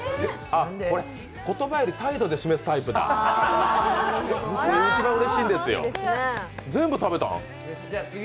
言葉より態度で示すタイプだ一番うれしいんですよ。